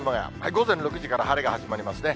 午前６時から晴れが始まりますね。